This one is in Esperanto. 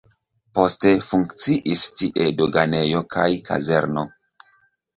Poste funkciis tie doganejo kaj kazerno.